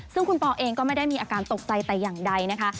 ซึ่งคุณปอเองก็ไม่ได้มีอาการตกใจแต่อย่างใดนะคะ